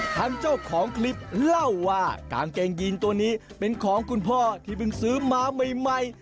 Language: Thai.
เจ้าของคลิปเล่าว่ากางเกงยีนตัวนี้เป็นของคุณพ่อที่เพิ่งซื้อมาใหม่